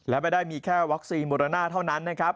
และไม่ได้มีแค่วัคซีนโมโรนาเท่านั้นนะครับ